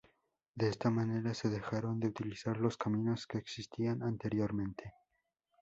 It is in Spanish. De esta manera se dejaron de utilizar los caminos que existían anteriormente.